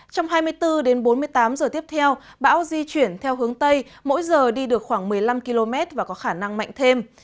trong hai mươi bốn đến bốn mươi tám giờ tiếp theo bão di chuyển theo hướng tây mỗi giờ đi được khoảng một mươi năm km và có khả năng mạnh thêm